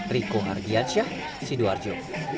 riko hargiansyah sidoarjo